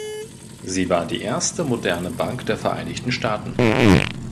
Sie war die erste moderne Bank der Vereinigten Staaten.